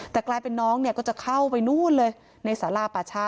แต่กลายเป็นน้องเนี่ยก็จะเข้าไปนู่นเลยในสาราป่าช้า